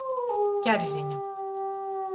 Karzine.